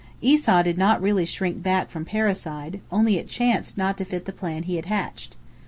Esau did not really shrink back from parricide, only it chanced not to fit the plan he had hatched.